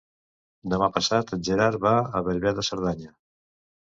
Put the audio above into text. Demà passat en Gerard va a Bellver de Cerdanya.